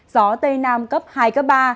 gió tây nam cấp hai cấp ba